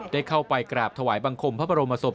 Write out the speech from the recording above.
ได้เข้าไปกราบถวายบังคมพระบรมศพ